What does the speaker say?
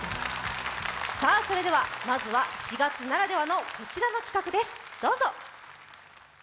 それでは、まずは４月ならではのこちらの企画です、どうぞ。